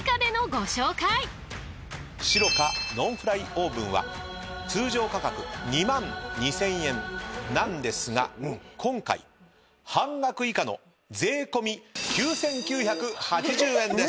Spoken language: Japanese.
ｓｉｒｏｃａノンフライオーブンは通常価格２万２，０００円なんですが今回半額以下の税込み９，９８０円です。